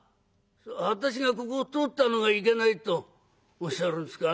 私がここを通ったのがいけないとおっしゃるんですか。